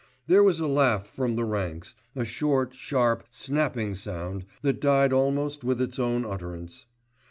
There was a laugh from the ranks, a short, sharp, snapping sound that died almost with its own utterance.